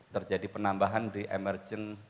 terjadi penambahan di emerging